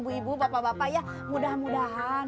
ibu ibu bapak bapak ya mudah mudahan